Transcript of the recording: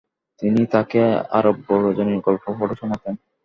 তিনি তাকে আরব্য রজনীর গল্প পড়ে শুনাতেন।